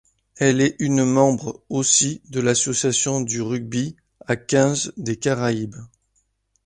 Elle est une membre aussi de l'association du rugby à quinze des Caraïbes.